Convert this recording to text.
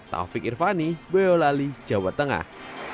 taufik irvani boyolali jawa tengah